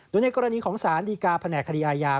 โดยในกรณีของสารดีการแผนกคดีอาญา